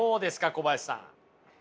小林さん。